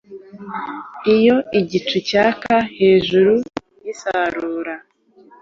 Iyo igicu cyaka hejuru yisarura